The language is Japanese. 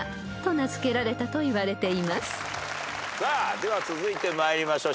では続いて参りましょう。